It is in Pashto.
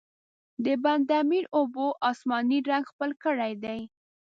د بند امیر اوبو، آسماني رنګ خپل کړی دی.